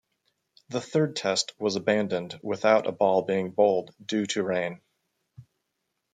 The Third Test was abandoned without a ball being bowled due to rain.